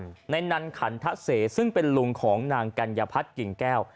ในนันขันทะเสซึ่งเป็นลุงของนางกัญญพัฒน์กิ่งแก้ว